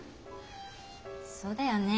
そうだよね